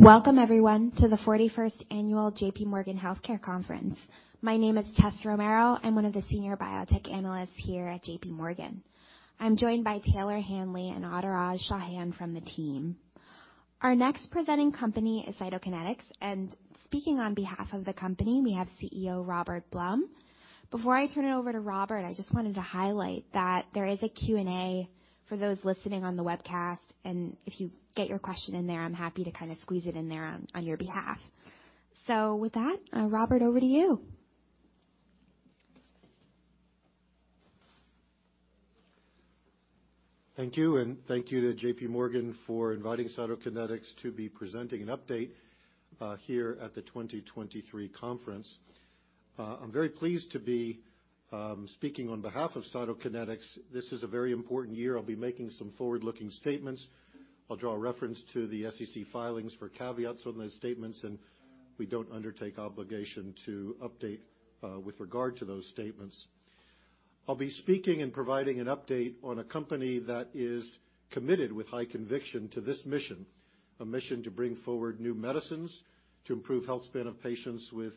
Welcome everyone to the 41st annual JPMorgan Healthcare Conference. My name is Tessa Romero. I'm one of the senior biotech analyst here at JPMorgan. I'm joined by Taylor Hanley and Adhiraj Chauhan from the team. Our next presenting company is Cytokinetics. Speaking on behalf of the company, we have CEO Robert Blum. Before I turn it over to Robert, I just wanted to highlight that there is a Q&A for those listening on the webcast. If you get your question in there, I'm happy to kind of squeeze it in there on your behalf. With that, Robert, over to you. Thank you. Thank you to JPMorgan for inviting Cytokinetics to be presenting an update here at the 2023 conference. I'm very pleased to be speaking on behalf of Cytokinetics. This is a very important year. I'll be making some forward-looking statements. I'll draw reference to the SEC filings for caveats on those statements. We don't undertake obligation to update with regard to those statements. I'll be speaking and providing an update on a company that is committed with high conviction to this mission, a mission to bring forward new medicines to improve health span of patients with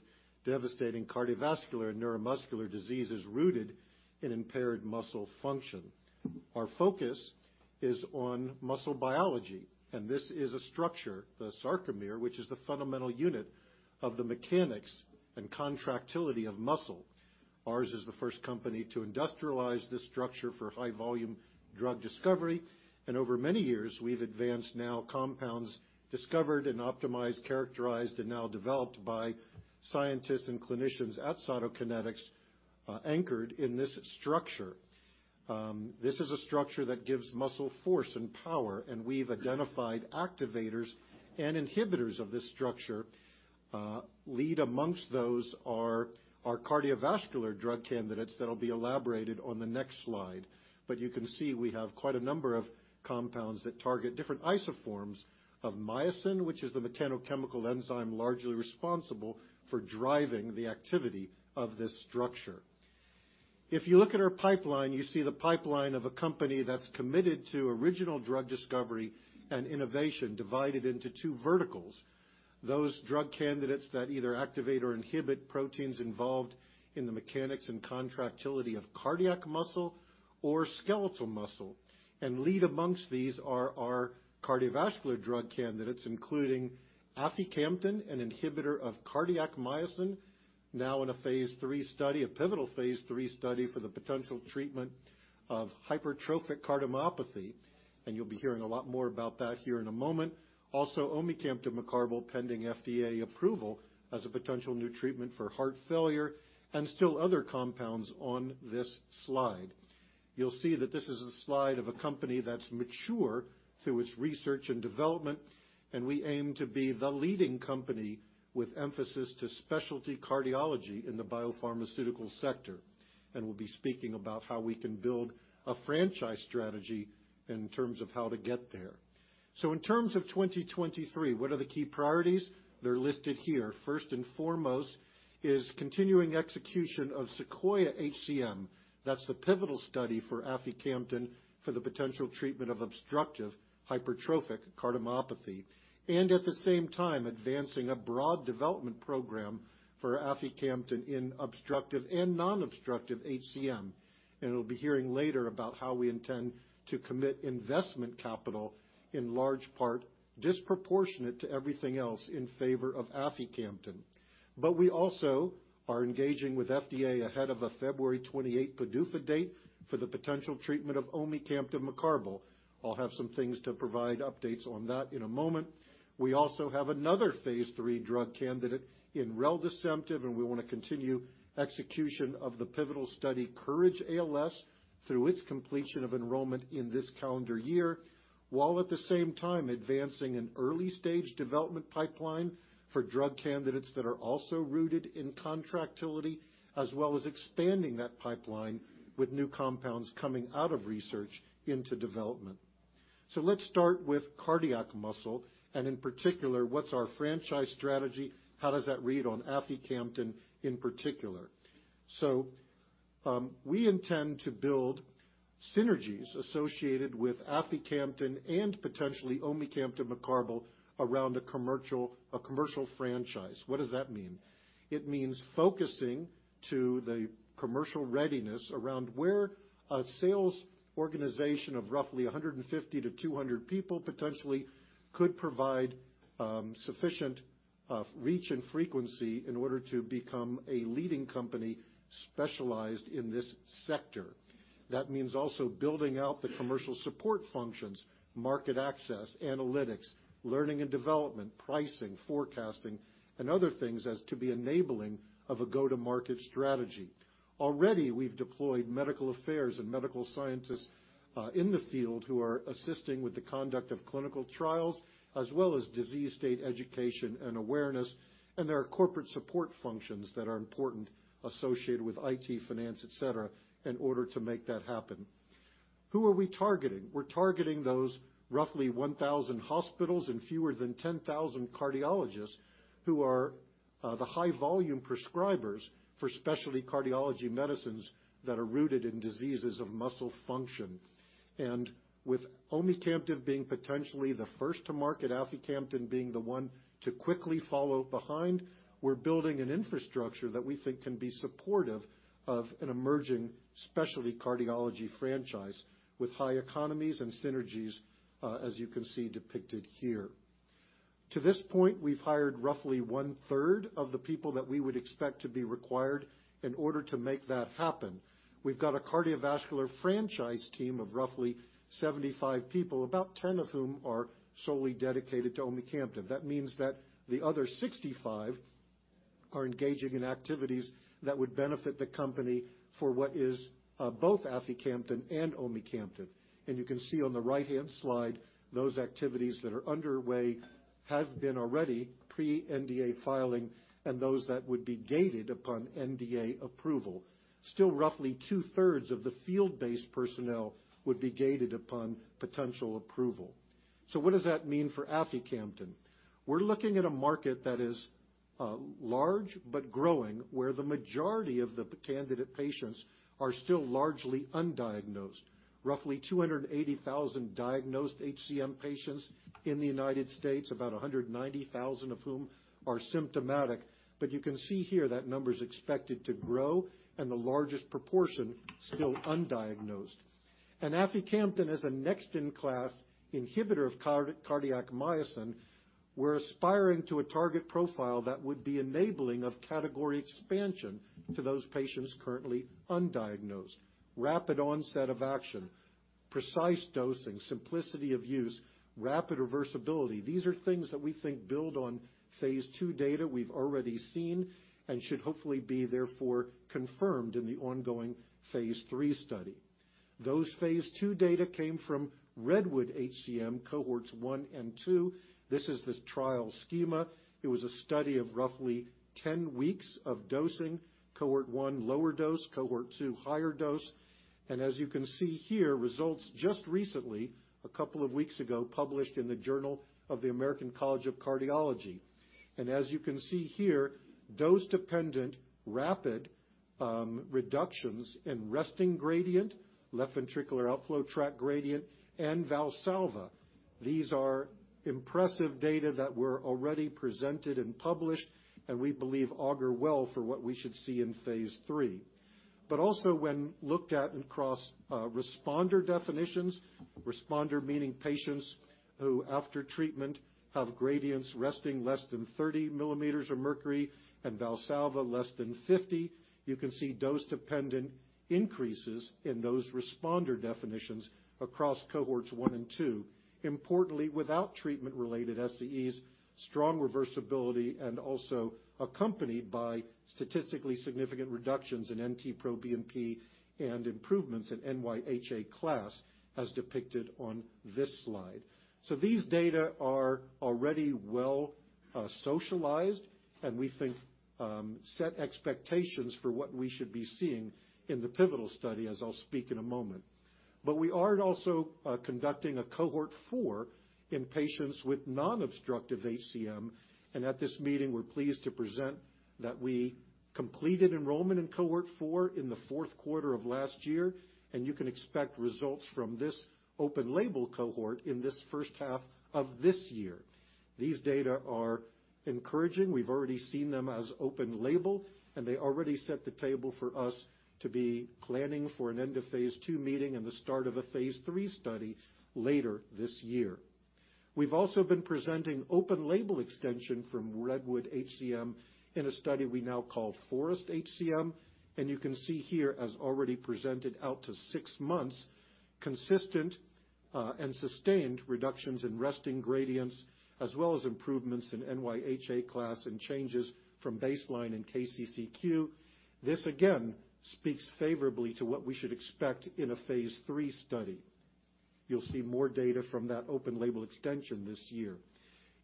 devastating cardiovascular and neuromuscular diseases rooted in impaired muscle function. Our focus is on muscle biology. This is a structure, the sarcomere, which is the fundamental unit of the mechanics and contractility of muscle. Ours is the first company to industrialize this structure for high-volume drug discovery. Over many years, we've advanced now compounds discovered and optimized, characterized, and now developed by scientists and clinicians at Cytokinetics, anchored in this structure. This is a structure that gives muscle force and power, and we've identified activators and inhibitors of this structure. Lead amongst those are our cardiovascular drug candidates that'll be elaborated on the next slide. You can see we have quite a number of compounds that target different isoforms of myosin, which is the mechanical chemical enzyme largely responsible for driving the activity of this structure. If you look at our pipeline, you see the pipeline of a company that's committed to original drug discovery and innovation divided into two verticals. Those drug candidates that either activate or inhibit proteins involved in the mechanics and contractility of cardiac muscle or skeletal muscle. Lead amongst these are our cardiovascular drug candidates, including aficamten, an inhibitor of cardiac myosin, now in a phase III study, a pivotal phase III study for the potential treatment of hypertrophic cardiomyopathy. You'll be hearing a lot more about that here in a moment. Also, omecamtiv mecarbil, pending FDA approval as a potential new treatment for heart failure, and still other compounds on this slide. You'll see that this is a slide of a company that's mature through its research and development, and we aim to be the leading company with emphasis to specialty cardiology in the biopharmaceutical sector. We'll be speaking about how we can build a franchise strategy in terms of how to get there. In terms of 2023, what are the key priorities? They're listed here. First and foremost is continuing execution of SEQUOIA-HCM. That's the pivotal study for aficamten for the potential treatment of obstructive hypertrophic cardiomyopathy. At the same time, advancing a broad development program for aficamten in obstructive and non-obstructive HCM. We'll be hearing later about how we intend to commit investment capital in large part disproportionate to everything else in favor of aficamten. We also are engaging with FDA ahead of a February 28 PDUFA date for the potential treatment of omecamtiv mecarbil. I'll have some things to provide updates on that in a moment. We also have another phase III drug candidate in reldesemtiv, and we wanna continue execution of the pivotal study, COURAGE-ALS, through its completion of enrollment in this calendar year, while at the same time advancing an early-stage development pipeline for drug candidates that are also rooted in contractility, as well as expanding that pipeline with new compounds coming out of research into development. Let's start with cardiac muscle, and in particular, what's our franchise strategy? How does that read on aficamten in particular? We intend to build synergies associated with aficamten and potentially omecamtiv mecarbil around a commercial franchise. What does that mean? It means focusing to the commercial readiness around where a sales organization of roughly 150-200 people potentially could provide sufficient reach and frequency in order to become a leading company specialized in this sector. That means also building out the commercial support functions, market access, analytics, learning and development, pricing, forecasting, and other things as to be enabling of a go-to-market strategy. Already, we've deployed medical affairs and medical scientists in the field who are assisting with the conduct of clinical trials, as well as disease state education and awareness. There are corporate support functions that are important associated with IT, finance, et cetera, in order to make that happen. Who are we targeting? We're targeting those roughly 1,000 hospitals and fewer than 10,000 cardiologists who are the high volume prescribers for specialty cardiology medicines that are rooted in diseases of muscle function. With omecamtiv being potentially the first to market, aficamten being the one to quickly follow behind, we're building an infrastructure that we think can be supportive of an emerging specialty cardiology franchise with high economies and synergies, as you can see depicted here. To this point, we've hired roughly one-third of the people that we would expect to be required in order to make that happen. We've got a cardiovascular franchise team of roughly 75 people, about 10 of whom are solely dedicated to omecamtiv. That means that the other 65 are engaging in activities that would benefit the company for what is both aficamten and omecamtiv. You can see on the right-hand slide, those activities that are underway have been already pre-NDA filing and those that would be gated upon NDA approval. Still roughly 2/3 of the field-based personnel would be gated upon potential approval. What does that mean for aficamten? We're looking at a market that is large but growing, where the majority of the candidate patients are still largely undiagnosed. Roughly 280,000 diagnosed HCM patients in the United States, about 190,000 of whom are symptomatic. You can see here that number's expected to grow and the largest proportion still undiagnosed. aficamten as a next-in-class inhibitor of cardiac myosin, we're aspiring to a target profile that would be enabling of category expansion to those patients currently undiagnosed. Rapid onset of action, precise dosing, simplicity of use, rapid reversibility. These are things that we think build on phase II data we've already seen and should hopefully be therefore confirmed in the ongoing phase III study. Those phase II data came from REDWOOD-HCM cohorts I and II. This is the trial schema. It was a study of roughly 10 weeks of dosing. Cohort I, lower dose. Cohort II, higher dose. As you can see here, results just recently, a couple of weeks ago, published in the Journal of the American College of Cardiology. As you can see here, dose-dependent rapid reductions in resting gradient, left ventricular outflow tract gradient, and Valsalva. These are impressive data that were already presented and published, and we believe augur well for what we should see in phase III. Also when looked at across responder definitions, responder meaning patients who, after treatment, have gradients resting less than 30 millimeters of mercury and Valsalva less than 50. You can see dose-dependent increases in those responder definitions across cohorts I and II. Importantly, without treatment-related SAEs, strong reversibility, and also accompanied by statistically significant reductions in NT-proBNP and improvements in NYHA class as depicted on this slide. These data are already well socialized, and we think set expectations for what we should be seeing in the pivotal study, as I'll speak in a moment. We are also conducting a cohort IV in patients with non-obstructive HCM. At this meeting, we're pleased to present that we completed enrollment in cohort IV in the fourth quarter of last year. You can expect results from this open-label cohort in this first half of this year. These data are encouraging. We've already seen them as open-label. They already set the table for us to be planning for an end of phase II meeting and the start of a phase III study later this year. We've also been presenting open-label extension from REDWOOD-HCM in a study we now call FOREST-HCM. You can see here as already presented out to six months, consistent and sustained reductions in resting gradients, as well as improvements in NYHA Class and changes from baseline in KCCQ. This again speaks favorably to what we should expect in a phase III study. You'll see more data from that open-label extension this year.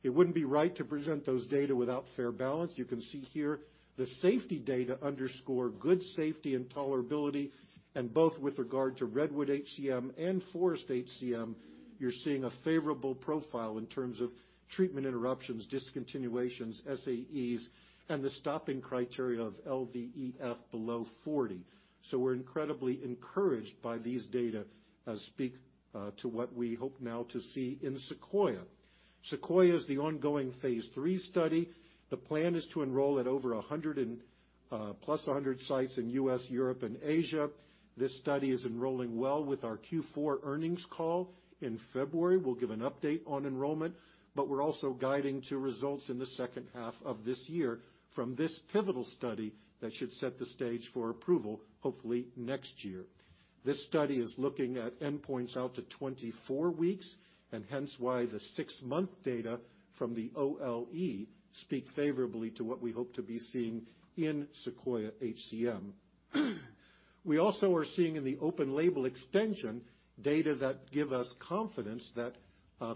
It wouldn't be right to present those data without fair balance. You can see here the safety data underscore good safety and tolerability, and both with regard to REDWOOD-HCM and FOREST-HCM, you're seeing a favorable profile in terms of treatment interruptions, discontinuations, SAEs, and the stopping criteria of LVEF below 40. We're incredibly encouraged by these data, speak to what we hope now to see in SEQUOIA-HCM. SEQUOIA-HCM is the ongoing phase III study. The plan is to enroll at over 100 and plus 100 sites in U.S., Europe, and Asia. This study is enrolling well with our Q4 earnings call in February. We'll give an update on enrollment. We're also guiding to results in the second half of this year from this pivotal study that should set the stage for approval, hopefully next year. This study is looking at endpoints out to 24 weeks, hence why the six month data from the OLE speak favorably to what we hope to be seeing in SEQUOIA-HCM. We also are seeing in the open label extension data that give us confidence that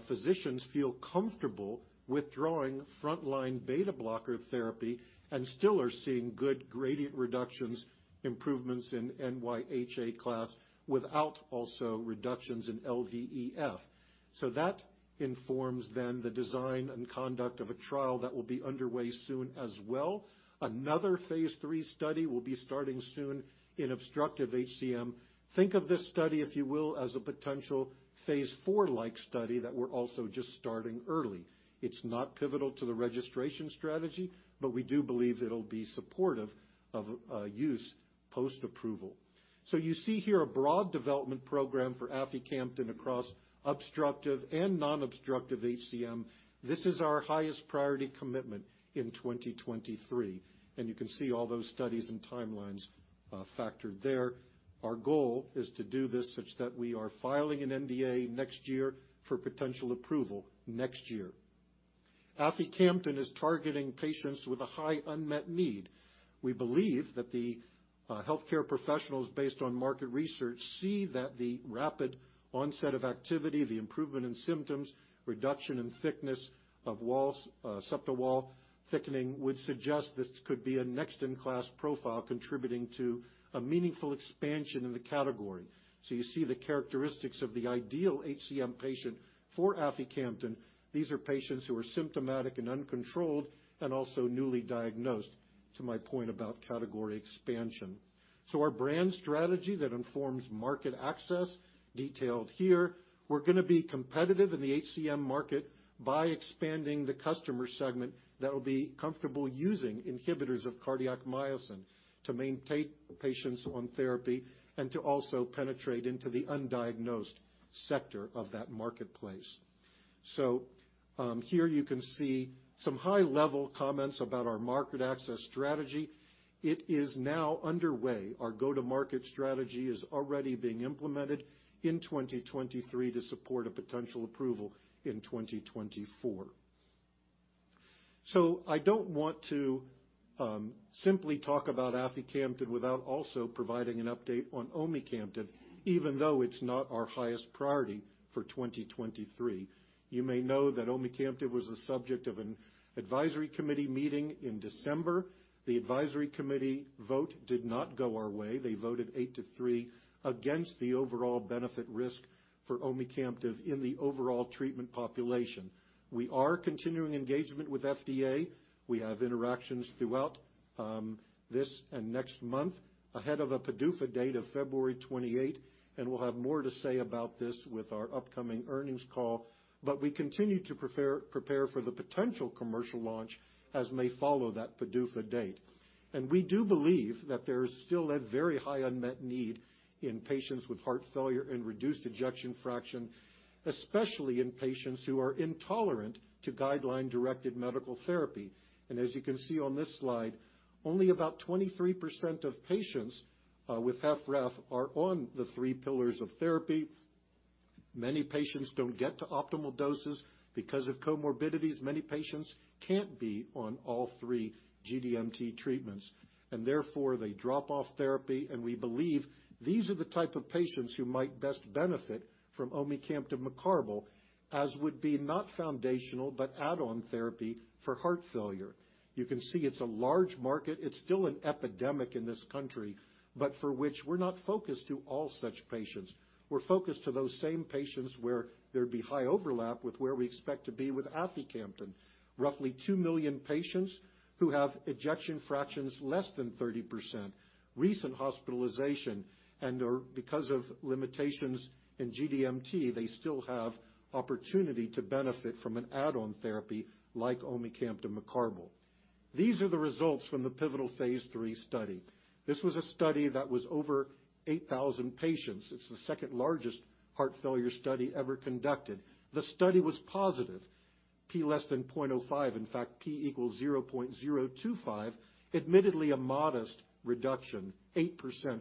physicians feel comfortable withdrawing frontline beta blocker therapy and still are seeing good gradient reductions, improvements in NYHA Class without also reductions in LVEF. That informs then the design and conduct of a trial that will be underway soon as well. Another phase III study will be starting soon in obstructive HCM. Think of this study, if you will, as a potential phase IV like study that we're also just starting early. It's not pivotal to the registration strategy, but we do believe it'll be supportive of use post-approval. You see here a broad development program for aficamten across obstructive and non-obstructive HCM. This is our highest priority commitment in 2023, and you can see all those studies and timelines factored there. Our goal is to do this such that we are filing an NDA next year for potential approval next year. Aficamten is targeting patients with a high unmet need. We believe that the healthcare professionals, based on market research, see that the rapid onset of activity, the improvement in symptoms, reduction in thickness of walls, septal wall thickening, would suggest this could be a next-in-class profile contributing to a meaningful expansion in the category. You see the characteristics of the ideal HCM patient for aficamten. These are patients who are symptomatic and uncontrolled and also newly diagnosed, to my point about category expansion. Our brand strategy that informs market access, detailed here. We're gonna be competitive in the HCM market by expanding the customer segment that will be comfortable using inhibitors of cardiac myosin to maintain patients on therapy and to also penetrate into the undiagnosed sector of that marketplace. Here you can see some high-level comments about our market access strategy. It is now underway. Our go-to-market strategy is already being implemented in 2023 to support a potential approval in 2024. I don't want to simply talk about aficamten without also providing an update on omecamtiv, even though it's not our highest priority for 2023. You may know that omecamtiv was the subject of an advisory committee meeting in December. The advisory committee vote did not go our way. They voted eight to three against the overall benefit risk for omecamtiv in the overall treatment population. We are continuing engagement with FDA. We have interactions throughout this and next month ahead of a PDUFA date of February 28, and we'll have more to say about this with our upcoming earnings call. We continue to prepare for the potential commercial launch as may follow that PDUFA date. We do believe that there is still a very high unmet need in patients with Heart Failure with reduced Ejection Fraction, especially in patients who are intolerant to guideline-directed medical therapy. As you can see on this slide, only about 23% of patients with HFrEF are on the three pillars of therapy. Many patients don't get to optimal doses. Because of comorbidities, many patients can't be on all three GDMT treatments, and therefore, they drop off therapy. We believe these are the type of patients who might best benefit from omecamtiv mecarbil, as would be not foundational, but add-on therapy for heart failure. You can see it's a large market. It's still an epidemic in this country, but for which we're not focused to all such patients. We're focused to those same patients where there'd be high overlap with where we expect to be with aficamten. Roughly 2 million patients who have ejection fractions less than 30%, recent hospitalization, and are, because of limitations in GDMT, they still have opportunity to benefit from an add-on therapy like omecamtiv mecarbil. These are the results from the pivotal phase III study. This was a study that was over 8,000 patients. It's the second-largest heart failure study ever conducted. The study was positive, P less than 0.05. In fact, P equals 0.025. Admittedly, a modest reduction, 8%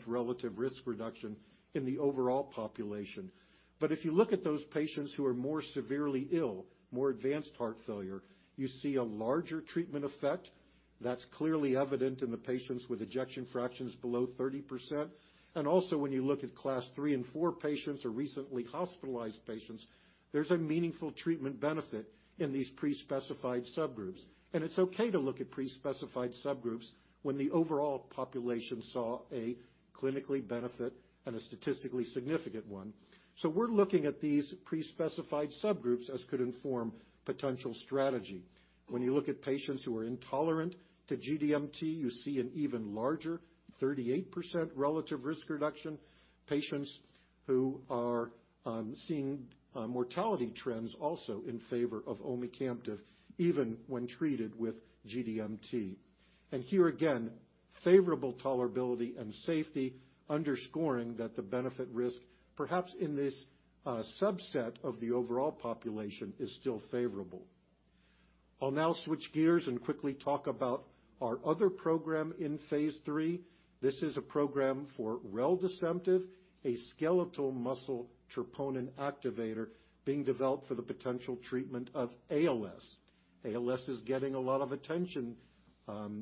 relative risk reduction in the overall population. If you look at those patients who are more severely ill, more advanced heart failure, you see a larger treatment effect that's clearly evident in the patients with ejection fractions below 30%. Also, when you look at class three and four patients or recently hospitalized patients, there's a meaningful treatment benefit in these pre-specified subgroups. It's okay to look at pre-specified subgroups when the overall population saw a clinically benefit and a statistically significant one. We're looking at these pre-specified subgroups as could inform potential strategy. When you look at patients who are intolerant to GDMT, you see an even larger 38% relative risk reduction. Patients who are seeing mortality trends also in favor of omecamtiv, even when treated with GDMT. Here again, favorable tolerability and safety underscoring that the benefit risk, perhaps in this subset of the overall population, is still favorable. I'll now switch gears and quickly talk about our other program in phase III. This is a program for reldesemtiv, a skeletal muscle troponin activator being developed for the potential treatment of ALS. ALS is getting a lot of attention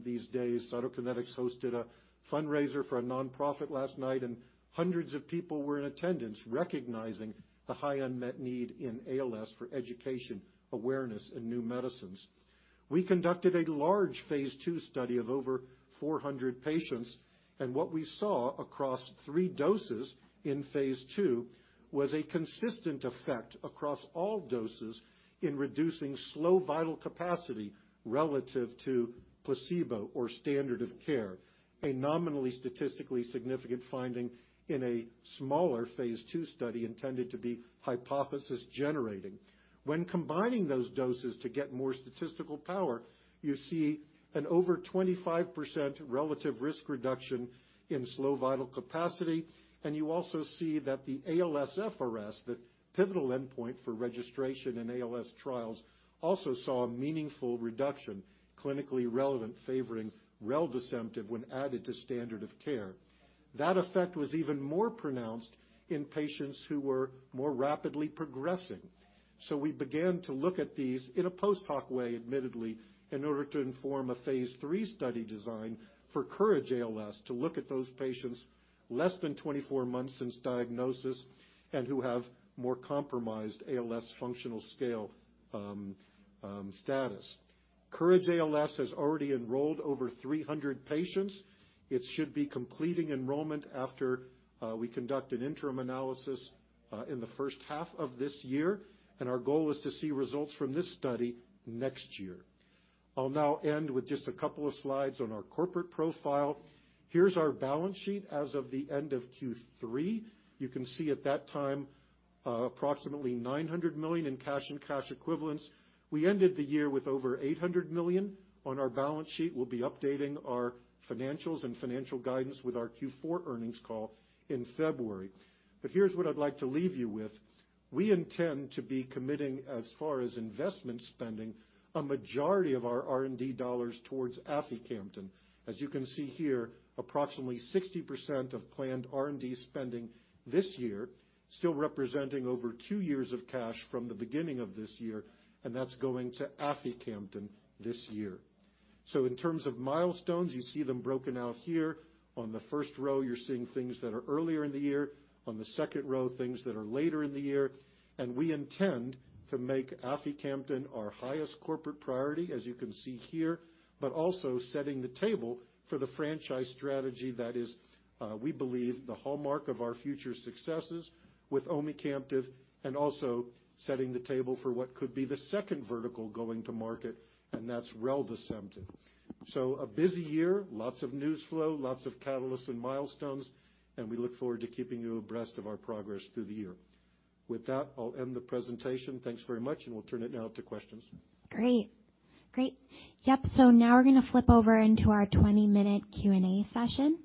these days. Cytokinetics hosted a fundraiser for a nonprofit last night, hundreds of people were in attendance recognizing the high unmet need in ALS for education, awareness, and new medicines. We conducted a large phase II study of over 400 patients, what we saw across three doses in phase II was a consistent effect across all doses in reducing slow vital capacity relative to placebo or standard of care. A nominally statistically significant finding in a smaller phase II study intended to be hypothesis generating. When combining those doses to get more statistical power, you see an over 25% relative risk reduction in slow vital capacity. You also see that the ALSFRS, the pivotal endpoint for registration in ALS trials, also saw a meaningful reduction, clinically relevant, favoring reldesemtiv when added to standard of care. That effect was even more pronounced in patients who were more rapidly progressing. We began to look at these in a post-hoc way, admittedly, in order to inform a phase III study design for COURAGE-ALS to look at those patients less than 24 months since diagnosis and who have more compromised ALS functional scale status. COURAGE-ALS has already enrolled over 300 patients. It should be completing enrollment after we conduct an interim analysis in the first half of this year, and our goal is to see results from this study next year. I'll now end with just a couple of slides on our corporate profile. Here's our balance sheet as of the end of Q3. You can see at that time, approximately $900 million in cash and cash equivalents. We ended the year with over $800 million on our balance sheet. We'll be updating our financials and financial guidance with our Q4 earnings call in February. Here's what I'd like to leave you with. We intend to be committing, as far as investment spending, a majority of our R&D dollars towards aficamten. As you can see here, approximately 60% of planned R&D spending this year still representing over two years of cash from the beginning of this year, and that's going to aficamten this year. In terms of milestones, you see them broken out here. On the first row, you're seeing things that are earlier in the year. On the second row, things that are later in the year. We intend to make aficamten our highest corporate priority, as you can see here, but also setting the table for the franchise strategy that is, we believe the hallmark of our future successes with omecamtiv, and also setting the table for what could be the second vertical going to market, and that's reldesemtiv. A busy year, lots of news flow, lots of catalysts and milestones, and we look forward to keeping you abreast of our progress through the year. With that, I'll end the presentation. Thanks very much, and we'll turn it now to questions. Great. Yep. Now we're gonna flip over into our 20-minute Q&A session.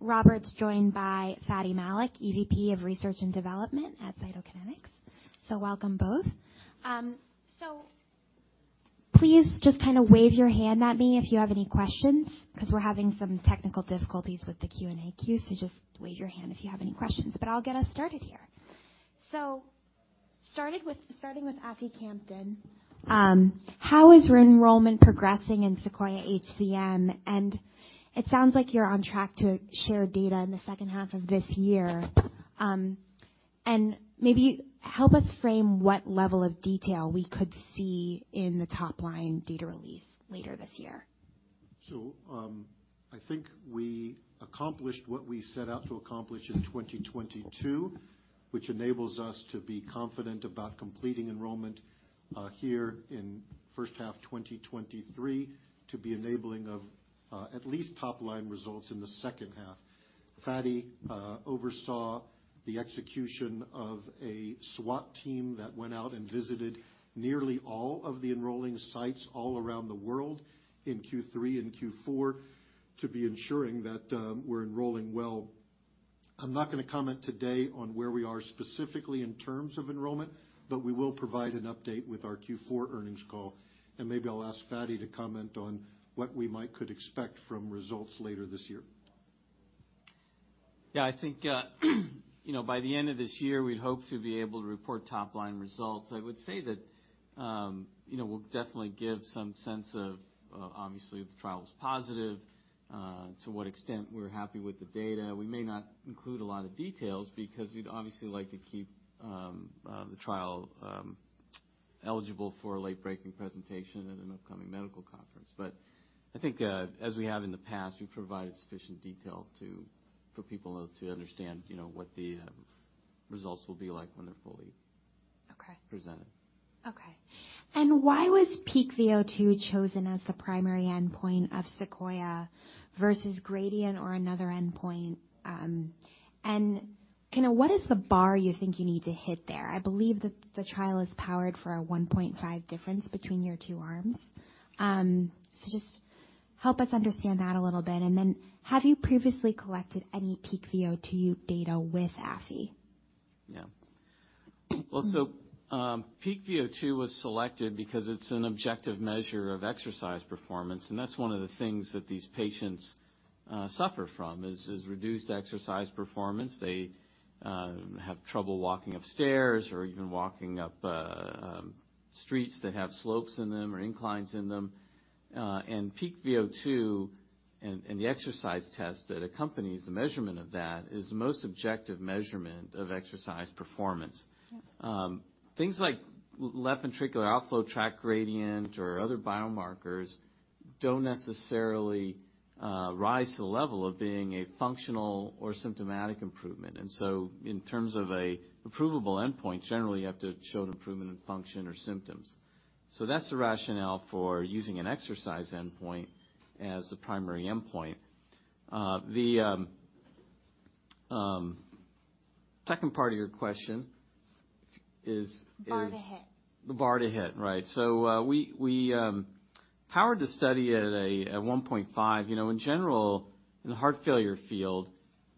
Robert's joined by Fady Malik, EVP of Research and Development at Cytokinetics. Welcome both. Please just kinda wave your hand at me if you have any questions 'cause we're having some technical difficulties with the Q&A queue. Just wave your hand if you have any questions. I'll get us started here. Starting with aficamten, how is your enrollment progressing in SEQUOIA-HCM? It sounds like you're on track to share data in the second half of this year. Maybe help us frame what level of detail we could see in the top-line data release later this year. I think we accomplished what we set out to accomplish in 2022, which enables us to be confident about completing enrollment here in first half 2023 to be enabling of at least top-line results in the second half. Fady oversaw the execution of a SWAT team that went out and visited nearly all of the enrolling sites all around the world in Q3 and Q4 to be ensuring that we're enrolling well. I'm not gonna comment today on where we are specifically in terms of enrollment, but we will provide an update with our Q4 earnings call, and maybe I'll ask Fady to comment on what we might could expect from results later this year. Yeah. I think, you know, by the end of this year, we'd hope to be able to report top-line results. I would say that, you know, we'll definitely give some sense of, obviously if the trial was positive, to what extent we're happy with the data. We may not include a lot of details because we'd obviously like to keep the trial eligible for a late-breaking presentation at an upcoming medical conference. I think, as we have in the past, we've provided sufficient detail for people to understand, you know, what the results will be like when they're fully- Okay. -presented. Okay. Why was peak VO2 chosen as the primary endpoint of SEQUOIA versus gradient or another endpoint? kinda what is the bar you think you need to hit there? I believe that the trial is powered for a 1.5 difference between your two arms. just help us understand that a little bit. Then have you previously collected any peak VO2 data with AFI? Well, peak VO2 was selected because it's an objective measure of exercise performance, and that's one of the things that these patients suffer from is reduced exercise performance. They have trouble walking up stairs or even walking up streets that have slopes in them or inclines in them. Peak VO2 and the exercise test that accompanies the measurement of that is the most objective measurement of exercise performance. Things like left ventricular outflow tract gradient or other biomarkers don't necessarily rise to the level of being a functional or symptomatic improvement. In terms of a approvable endpoint, generally, you have to show an improvement in function or symptoms. That's the rationale for using an exercise endpoint as the primary endpoint. The second part of your question is- Bar to hit. The bar to hit, right. We powered to study at a, at 1.5. You know, in general, in the heart failure field,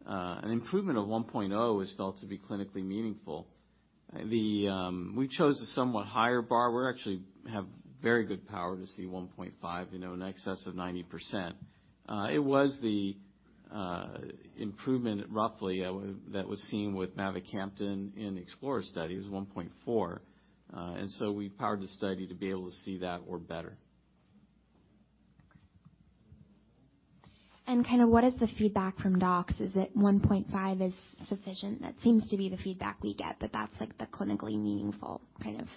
an improvement of 1.0 is felt to be clinically meaningful. We chose a somewhat higher bar. We actually have very good power to see 1.5, you know, in excess of 90%. It was the improvement, roughly, that was seen with mavacamten in EXPLORER-HCM study. It was 1.4. We powered the study to be able to see that or better. Kinda what is the feedback from docs? Is it 1.5 is sufficient? That seems to be the feedback we get, that that's, like, the clinically meaningful kind of-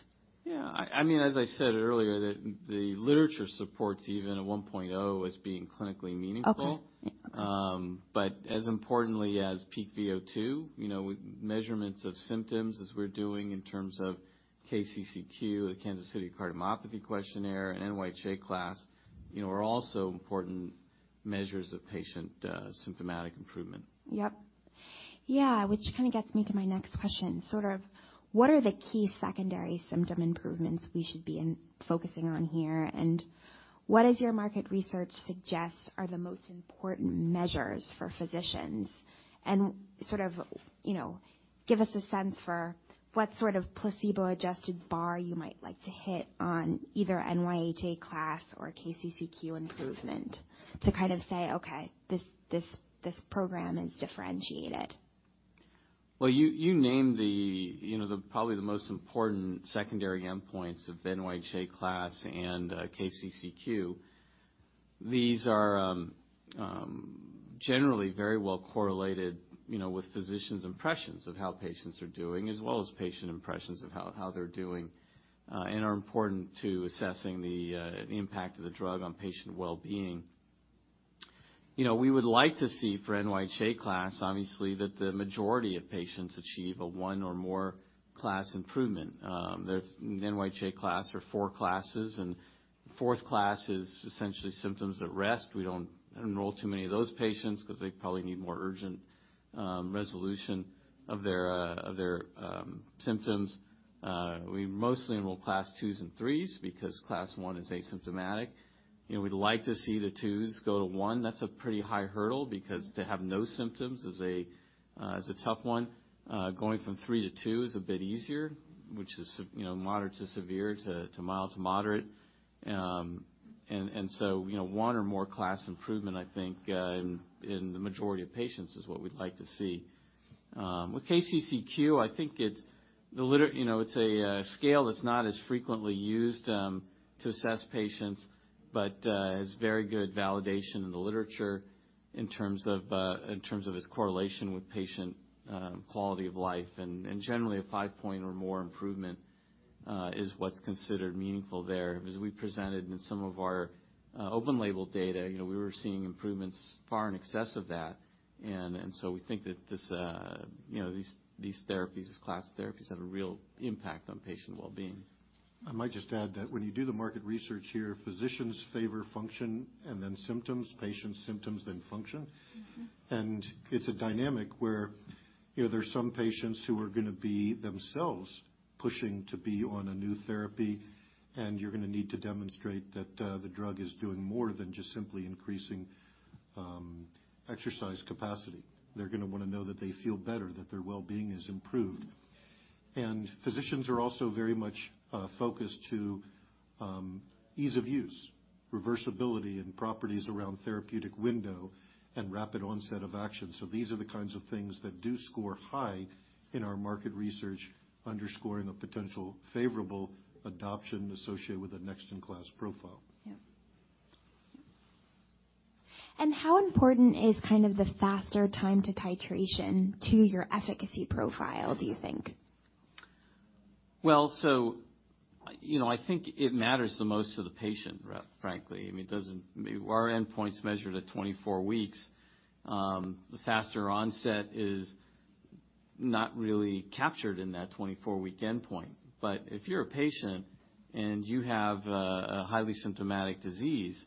Yeah. I mean, as I said earlier, the literature supports even a 1.0 as being clinically meaningful. Okay. Yeah. Okay. As importantly as peak VO2, you know, with measurements of symptoms as we're doing in terms of KCCQ, the Kansas City Cardiomyopathy Questionnaire, and NYHA Class, you know, are also important measures of patient, symptomatic improvement. Yep. Yeah, which kinda gets me to my next question. Sort of what are the key secondary symptom improvements we should be focusing on here? What does your market research suggest are the most important measures for physicians? Sort of, you know, give us a sense for what sort of placebo-adjusted bar you might like to hit on either NYHA Class or KCCQ improvement to kind of say, "Okay, this program is differentiated. Well, you named the, you know, the probably the most important secondary endpoints of NYHA Class and KCCQ. These are generally very well correlated, you know, with physicians' impressions of how patients are doing as well as patient impressions of how they're doing and are important to assessing the impact of the drug on patient well-being. You know, we would like to see for NYHA Class, obviously, that the majority of patients achieve a one or more Class improvement. The NYHA Class are four classes, and fourth class is essentially symptoms at rest. We don't enroll too many of those patients 'cause they probably need more urgent resolution of their symptoms. We mostly enroll Class 2s and 3s because Class one is asymptomatic. You know, we'd like to see the 2s go to one. That's a pretty high hurdle because to have no symptoms is a tough one. Going from three to two is a bit easier, which is, you know, moderate to severe to mild to moderate. You know, one or more class improvement, I think, in the majority of patients is what we'd like to see. With KCCQ, I think it's, you know, a scale that's not as frequently used to assess patients, but has very good validation in the literature in terms of its correlation with patient quality of life. Generally, a five point or more improvement is what's considered meaningful there. As we presented in some of our open-label data, you know, we were seeing improvements far in excess of that. We think that this, you know, these therapies, these class therapies have a real impact on patient wellbeing. I might just add that when you do the market research here, physicians favor function and then symptoms. Patients, symptoms, then function. Mm-hmm. It's a dynamic where, you know, there's some patients who are gonna be themselves pushing to be on a new therapy, and you're gonna need to demonstrate that the drug is doing more than just simply increasing exercise capacity. They're gonna wanna know that they feel better, that their wellbeing is improved. Physicians are also very much focused to ease of use, reversibility, and properties around therapeutic window and rapid onset of action. These are the kinds of things that do score high in our market research, underscoring a potential favorable adoption associated with a next-in-class profile. Yep. How important is kind of the faster time to titration to your efficacy profile, do you think? Well, you know, I think it matters the most to the patient, frankly. I mean, it doesn't. Our endpoint's measured at 24 weeks. The faster onset is not really captured in that 24-week endpoint. If you're a patient and you have a highly symptomatic disease,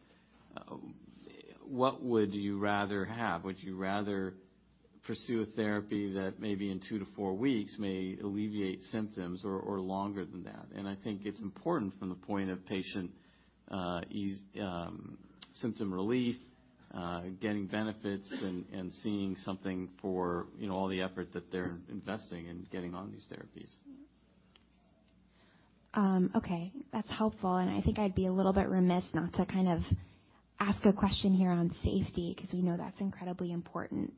what would you rather have? Would you rather pursue a therapy that maybe in two to four weeks may alleviate symptoms or longer than that? I think it's important from the point of patient ease, symptom relief, getting benefits and seeing something for, you know, all the effort that they're investing in getting on these therapies. Okay. That's helpful. I think I'd be a little bit remiss not to ask a question here on safety, because we know that's incredibly important.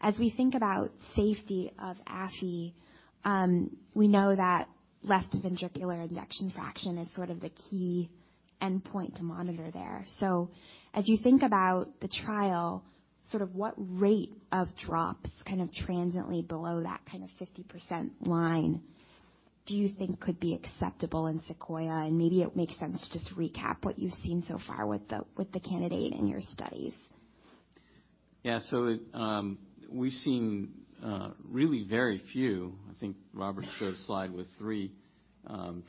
As we think about safety of Affi, we know that left ventricular ejection fraction is sort of the key endpoint to monitor there. As you think about the trial, sort of what rate of drops kind of transiently below that kind of 50% line do you think could be acceptable in SEQUOIA? Maybe it makes sense to just recap what you've seen so far with the, with the candidate in your studies. We've seen really very few. I think Robert showed a slide with three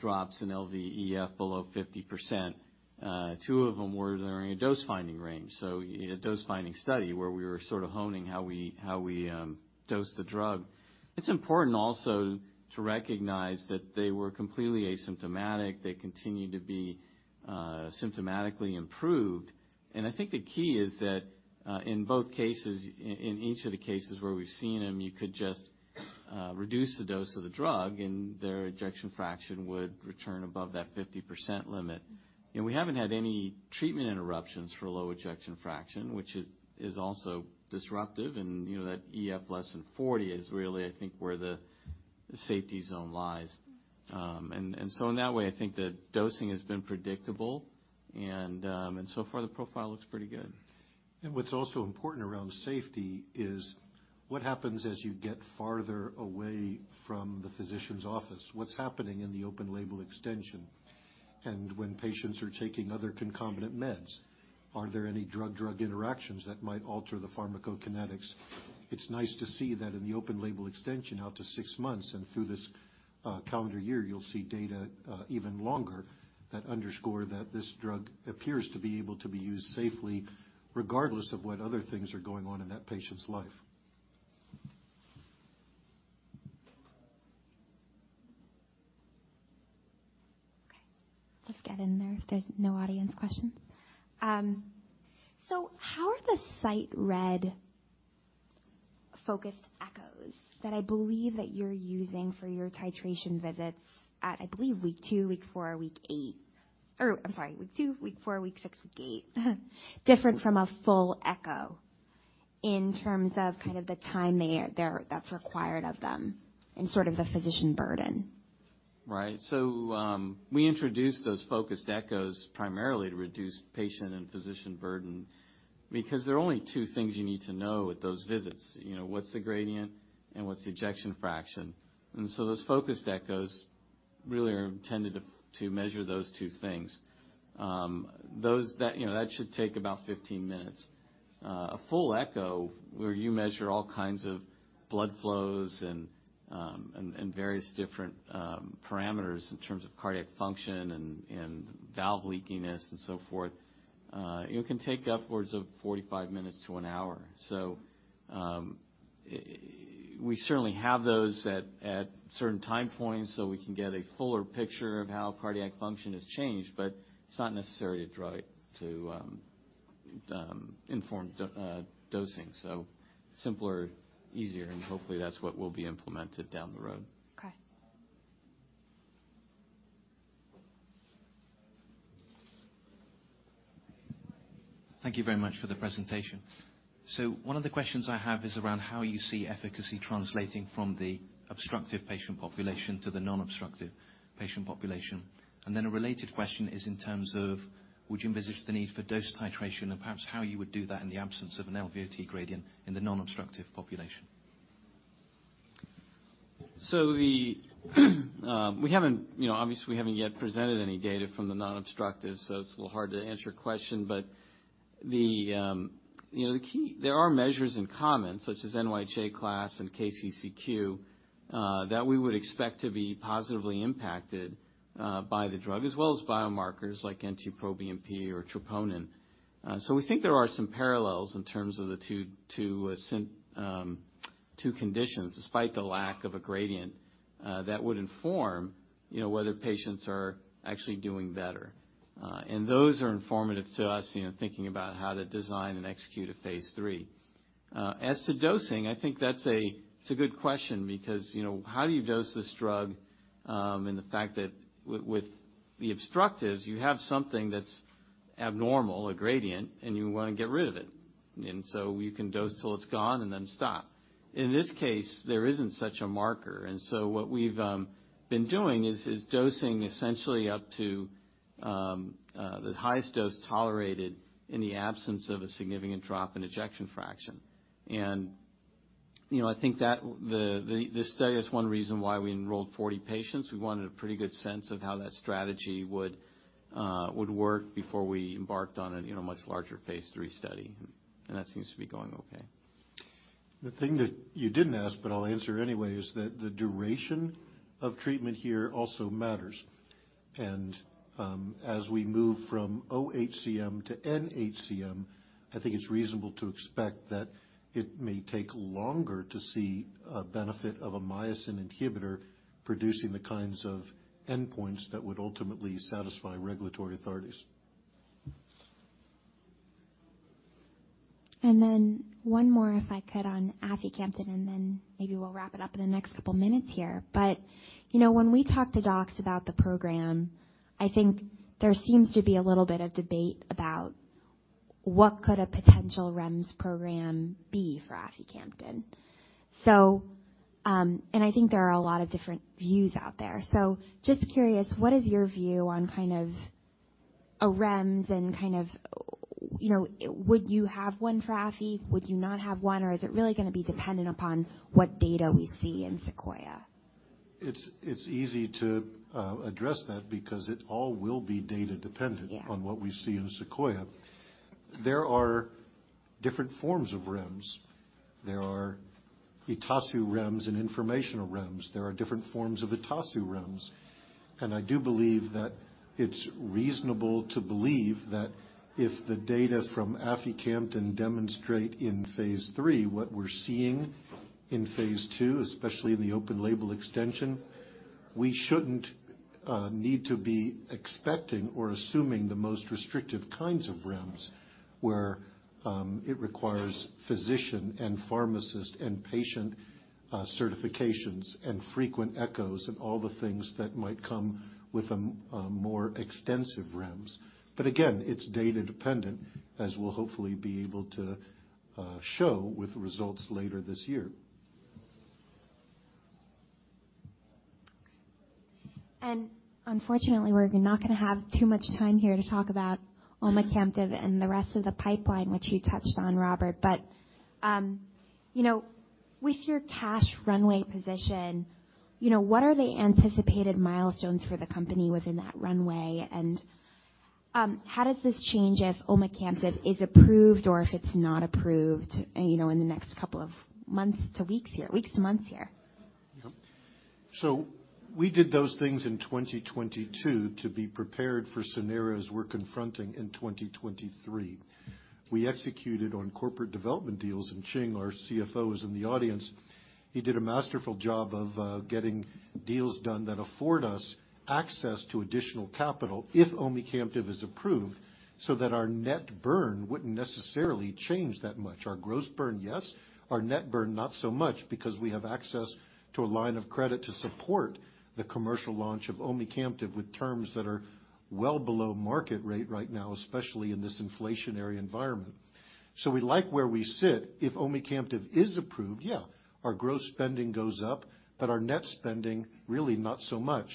drops in LVEF below 50%. Two of them were during a dose-finding range. In a dose-finding study where we were sort of honing how we dose the drug. It's important also to recognize that they were completely asymptomatic. They continued to be symptomatically improved. I think the key is that in both cases, in each of the cases where we've seen them, you could just reduce the dose of the drug, and their ejection fraction would return above that 50% limit. We haven't had any treatment interruptions for low ejection fraction, which is also disruptive. You know, that EF less than 40 is really, I think, where the safety zone lies. In that way, I think the dosing has been predictable and so far the profile looks pretty good. What's also important around safety is what happens as you get farther away from the physician's office, what's happening in the open label extension, and when patients are taking other concomitant meds, are there any drug-drug interactions that might alter the pharmacokinetics? It's nice to see that in the open label extension out to six months and through this calendar year, you'll see data, even longer that underscore that this drug appears to be able to be used safely regardless of what other things are going on in that patient's life. Okay. Just get in there if there's no audience questions. How are the site read focused echoes that I believe that you're using for your titration visits at, I believe, week two, week four, week eight, or I'm sorry, week two, week four, week six, week eight, different from a full echo in terms of kind of the time that's required of them and sort of the physician burden? Right. We introduced those focused echoes primarily to reduce patient and physician burden because there are only two things you need to know at those visits. You know, what's the gradient, and what's the ejection fraction. Those focused echoes really are intended to measure those two things. That, you know, that should take about 15 minutes. A full echo where you measure all kinds of blood flows and various different parameters in terms of cardiac function and valve leakiness and so forth, it can take upwards of 45 minutes to an hour. We certainly have those at certain time points, so we can get a fuller picture of how cardiac function has changed, but it's not necessary to draw it to inform dosing. Simpler, easier, and hopefully that's what will be implemented down the road. Okay. Thank you very much for the presentation. One of the questions I have is around how you see efficacy translating from the obstructive patient population to the non-obstructive patient population. A related question is in terms of would you envisage the need for dose titration and perhaps how you would do that in the absence of an LVOT gradient in the non-obstructive population? We haven't, you know, obviously we haven't yet presented any data from the non-obstructive, so it's a little hard to answer your question. The, you know, there are measures in common, such as NYHA Class and KCCQ, that we would expect to be positively impacted by the drug, as well as biomarkers like NT-proBNP or troponin. We think there are some parallels in terms of the two conditions, despite the lack of a gradient, that would inform, you know, whether patients are actually doing better. Those are informative to us, you know, thinking about how to design and execute a phase III. As to dosing, I think that's a good question because, you know, how do you dose this drug, and the fact that with the obstructives, you have something that's abnormal, a gradient, and you wanna get rid of it. You can dose till it's gone and then stop. In this case, there isn't such a marker, what we've been doing is dosing essentially up to the highest dose tolerated in the absence of a significant drop in ejection fraction. You know, I think the study is one reason why we enrolled 40 patients. We wanted a pretty good sense of how that strategy would work before we embarked on a, you know, much larger phase III study. That seems to be going okay. The thing that you didn't ask, but I'll answer anyway, is that the duration of treatment here also matters. As we move from OHCM to NHCM, I think it's reasonable to expect that it may take longer to see a benefit of a myosin inhibitor producing the kinds of endpoints that would ultimately satisfy regulatory authorities. One more, if I could, on aficamten, and then maybe we'll wrap it up in the next couple minutes here. You know, when we talk to docs about the program, I think there seems to be a little bit of debate about what could a potential REMS program be for aficamten. I think there are a lot of different views out there. Just curious, what is your view on kind of a REMS and kind of, you know, would you have one for affi? Would you not have one? Or is it really gonna be dependent upon what data we see in SEQUOIA? It's easy to address that because it all will be data dependent. Yeah. on what we see in SEQUOIA-HCM. There are different forms of REMS. There are ETASU REMS and informational REMS. There are different forms of ETASU REMS. I do believe that it's reasonable to believe that if the data from aficamten demonstrate in phase III what we're seeing in phase II, especially in the open-label extension, we shouldn't need to be expecting or assuming the most restrictive kinds of REMS, where it requires physician and pharmacist and patient certifications and frequent echoes and all the things that might come with a more extensive REMS. Again, it's data dependent, as we'll hopefully be able to show with results later this year. Unfortunately, we're not gonna have too much time here to talk about omecamtiv and the rest of the pipeline, which you touched on, Robert. You know, with your cash runway position, you know, what are the anticipated milestones for the company within that runway? How does this change if omecamtiv is approved or if it's not approved, you know, in the next couple of months to weeks here, weeks to months here? We did those things in 2022 to be prepared for scenarios we're confronting in 2023. We executed on corporate development deals, and Ching, our CFO, is in the audience. He did a masterful job of getting deals done that afford us access to additional capital if omecamtiv is approved, so that our net burn wouldn't necessarily change that much. Our gross burn, yes. Our net burn, not so much, because we have access to a line of credit to support the commercial launch of omecamtiv with terms that are well below market rate right now, especially in this inflationary environment. We like where we sit. If omecamtiv is approved, yeah, our gross spending goes up, but our net spending really not so much.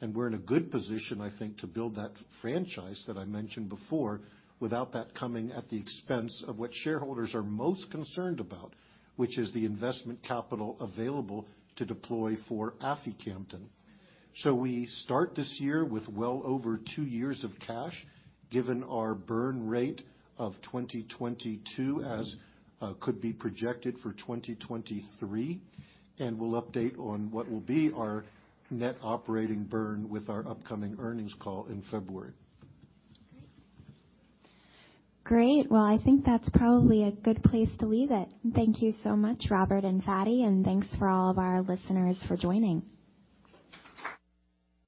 We're in a good position, I think, to build that franchise that I mentioned before, without that coming at the expense of what shareholders are most concerned about, which is the investment capital available to deploy for aficamten. We start this year with well over two years of cash, given our burn rate of 2022, as could be projected for 2023. We'll update on what will be our net operating burn with our upcoming earnings call in February. Great. I think that's probably a good place to leave it. Thank you so much, Robert and Fady, and thanks for all of our listeners for joining.